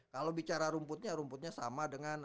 kalau bicara rumputnya rumputnya sama dengan